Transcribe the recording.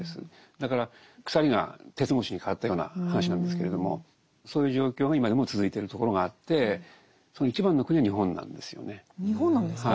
だから「鎖」が「鉄格子」に変わったような話なんですけれどもそういう状況が今でも続いてるところがあってその一番の国は日本なんですよね。